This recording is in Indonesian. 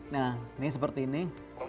nah ini seperti ini